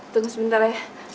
tunggu sebentar ya